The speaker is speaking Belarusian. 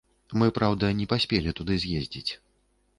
Мы, праўда, не паспелі туды з'ездзіць.